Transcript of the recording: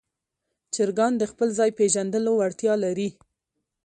چرګان د خپل ځای پېژندلو وړتیا لري.